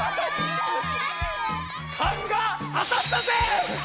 かんが当たったぜ！